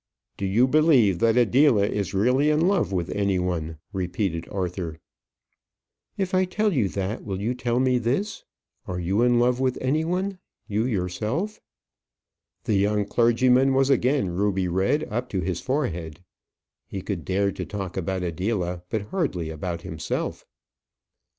"Do you believe that Adela is really in love with any one?" repeated Arthur. "If I tell you that, will you tell me this Are you in love with any one you yourself?" The young clergyman was again ruby red up to his forehead. He could dare to talk about Adela, but hardly about himself.